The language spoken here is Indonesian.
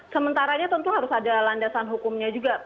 sementaranya tentu harus ada landasan hukumnya juga